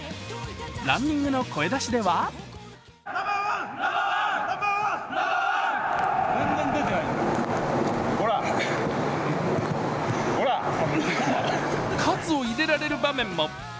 ランニングの声出しでは喝を入れられる場面も。